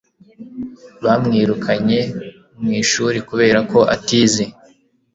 Bamwirukanye mu ishuri kubera ko atize.